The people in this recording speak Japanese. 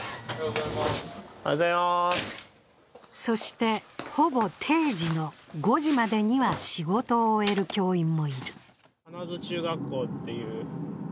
そして、ほぼ定時の５時までには仕事を終える教員もいる。